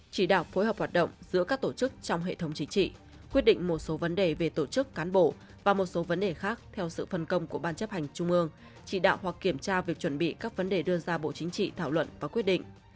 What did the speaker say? chỉ đạo phối hợp hoạt động giữa các tổ chức trong hệ thống chính trị quyết định một số vấn đề về tổ chức cán bộ và một số vấn đề khác theo sự phân công của ban chấp hành trung ương chỉ đạo hoặc kiểm tra việc chuẩn bị các vấn đề đưa ra bộ chính trị thảo luận và quyết định